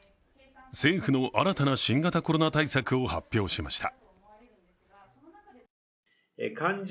政府の新たな新型コロナ対策を発表しました。